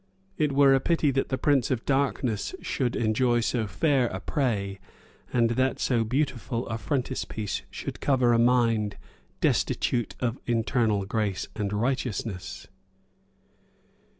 it were a pity that the prince of darkness should enjoy so fair a prey, and that so beautiful a frontispiece should cover a mind destitute of internal grace and righteousness.